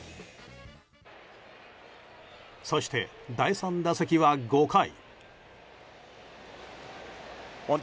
そして、第３打席は５回。